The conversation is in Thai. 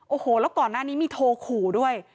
โอ้โหแล้วก่อนหน้านี้มีโทรขู่ด้วย